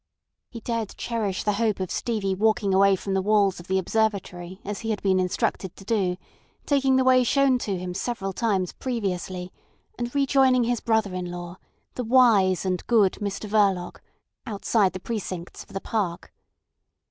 He dared cherish the hope of Stevie walking away from the walls of the Observatory as he had been instructed to do, taking the way shown to him several times previously, and rejoining his brother in law, the wise and good Mr Verloc, outside the precincts of the park.